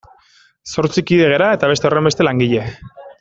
Zortzi kide gara eta beste horrenbeste langile.